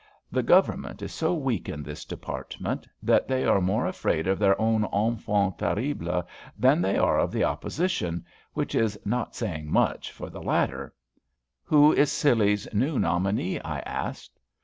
The Government is so weak in this department that they are more afraid of their own enfants terribles than they are of the Opposition, which is not saying much for the latter." "Who is Scilly's new nominee?" I asked.